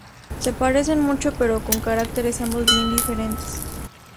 Se parecen mucho pero con caracteres ambos bien diferentes.